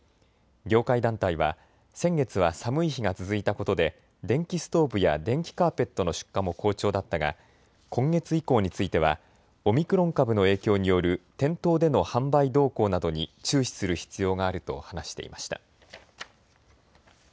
業界団体は先月は寒い日が続いたことで電気ストーブや電気カーペットの出荷も好調だったが今月以降についてはオミクロン株の影響による店頭での販売動向などに注視する必要があると話していました。